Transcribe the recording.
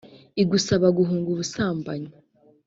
igusaba guhunga ubusambanyi